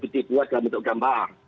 dibuat dalam bentuk gambar